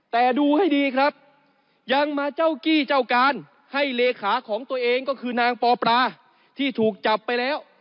แต่ดูให้ดีครับยังมาเจ้ากี้เจ้าการให้เลขาของตัวเองก็คือนางปอปราที่ถูกจับไปแล้ว